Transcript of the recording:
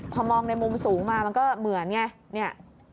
พอมองในมุมสูงมามันก็เหมือนไงเนี่ย